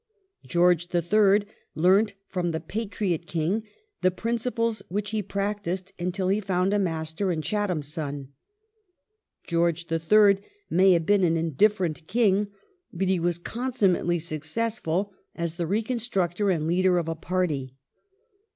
^ George III. learnt from the Patriot King the principles which hi practised until he found a master in Chatham's son. Greorge III. may have been an indifferent King, but he was consummately successful as the reconstructor and leader of a party